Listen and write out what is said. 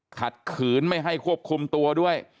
ขัดขืนไม่ให้ควบคุมตัวด้วย